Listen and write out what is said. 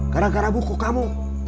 gara gara buku kamu